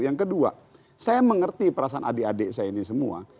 yang kedua saya mengerti perasaan adik adik saya ini semua